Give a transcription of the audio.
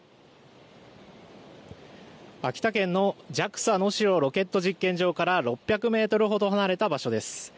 秋田県のＪＡＸＡ能代ロケット実験場から６００メートルほど離れた場所です。